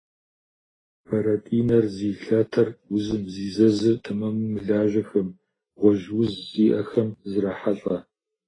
Бэрэтӏинэр зи лъатэр узым, зи зэзыр тэмэму мылажьэхэм, гъуэжь уз зиӏэхэми зрахьэлӏэ.